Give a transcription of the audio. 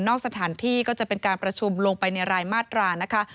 สถานที่ก็จะเป็นการประชุมลงไปในรายมาตรานะคะ